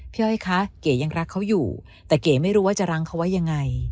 อ้อยคะเก๋ยังรักเขาอยู่แต่เก๋ไม่รู้ว่าจะรั้งเขาไว้ยังไง